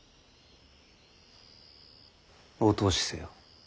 お通しせよ。